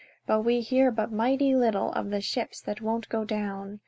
But we hear but mighty little Of the ships that won't go down.